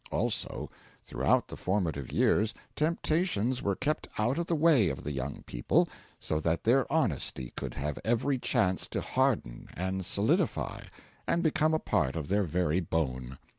Also, throughout the formative years temptations were kept out of the way of the young people, so that their honesty could have every chance to harden and solidify, and become a part of their very bone.